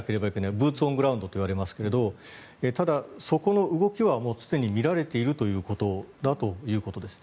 ブーツ・オン・グラウンドといわれますがただ、そこの動きはすでにみられているということです。